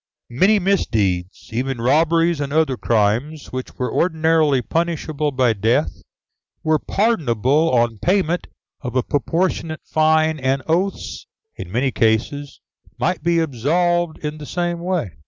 Many misdeeds even robberies and other crimes, which were ordinarily punishable by death were pardonable on payment of a proportionate fine, and oaths, in many cases, might be absolved in the same way.